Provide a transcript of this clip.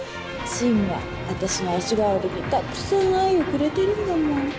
信は私の足代わりにたくさん愛をくれてるんだもん